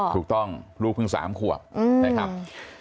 ถูกต้องลูกพึ่งสามควบครับ